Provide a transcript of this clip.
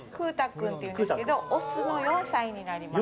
君っていうんですけどオスの４歳になります。